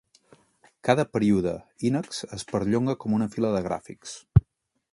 Cada període Inex es perllonga com una fila de gràfics.